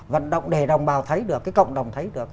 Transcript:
vận động để đồng bào thấy được cái cộng đồng thấy được